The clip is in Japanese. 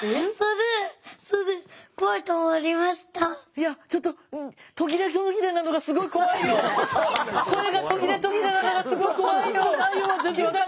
いやちょっと声が途切れ途切れなのがすごい怖いよ玖太君。